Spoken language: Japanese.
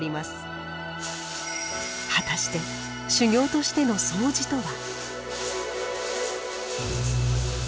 果たして修行としてのそうじとは？